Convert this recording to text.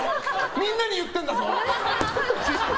みんなに言ってんだぞ！